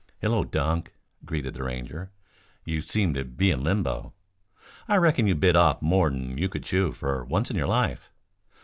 "Hullo, Dunk," greeted the Ranger. "You seem to be in limbo. I reckon you bit off more'n you could chew, for once in your life.